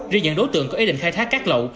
riêng những đối tượng có ý định khai thác cát lậu